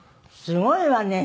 すごいわね。